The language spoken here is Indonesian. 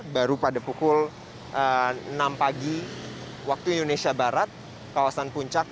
baru pada pukul enam pagi waktu indonesia barat kawasan puncak